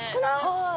はい。